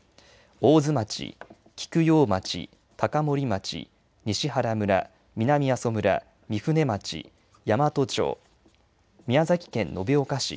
大津町、菊陽町、高森町、西村村、南阿蘇村、御船町、山都町、宮崎県延岡市。